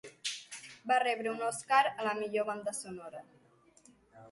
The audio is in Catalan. Va rebre un Oscar a la millor banda sonora.